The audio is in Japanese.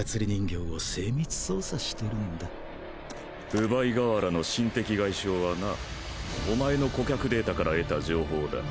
分倍河原の心的外傷はなお前の顧客データから得た情報だ。